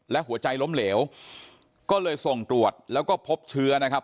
และหัวใจล้มเหลวก็เลยส่งตรวจแล้วก็พบเชื้อนะครับ